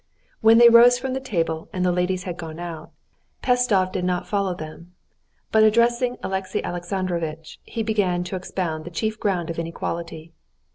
When they rose from the table and the ladies had gone out, Pestsov did not follow them, but addressing Alexey Alexandrovitch, began to expound the chief ground of inequality.